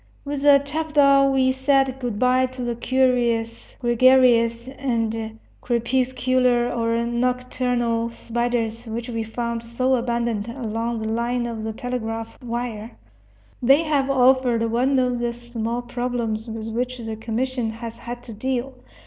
With the chapadao we said good by to the curious, gregarious, and crepuscular or nocturnal spiders which we found so abundant along the line of the telegraph wire. They have offered one of the small problems with which the commission has had to deal.